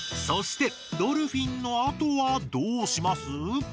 そしてドルフィンのあとはどうします？